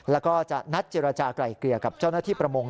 แล้วก็จะนัดเจรจากลายเกลี่ยกับเจ้าหน้าที่ประมง